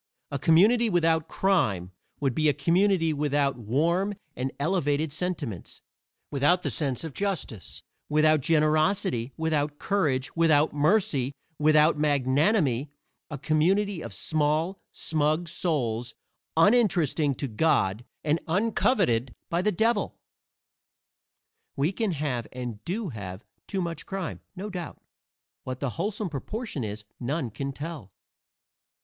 A community without crime would be a community without warm and elevated sentiments without the sense of justice, without generosity, without courage, without mercy, without magnanimity a community of small, smug souls, uninteresting to God and uncoveted by the Devil. We can have, and do have, too much crime, no doubt; what the wholesome proportion is none can tell.